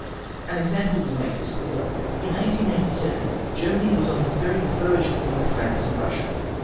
An example will make this clearer. In 1887 Germany was on the very verge of War with France and Russia.